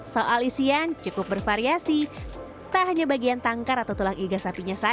soal isian cukup bervariasi tak hanya bagian tangkar atau tulang iga sapinya saja